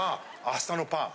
明日のパン？